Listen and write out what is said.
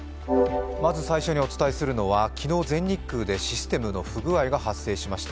まず最初にお伝えするのは、昨日、全日空でシステムの不具合が発生しました。